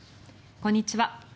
こんにちは。